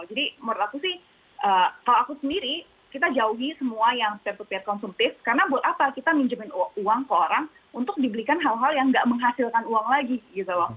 jadi menurut aku sih kalau aku sendiri kita jauhi semua yang p dua p konsumtif karena buat apa kita minjemin uang ke orang untuk dibelikan hal hal yang nggak menghasilkan uang lagi gitu